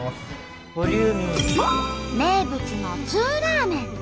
名物の「ツーラーメン」。